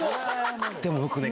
でも僕ね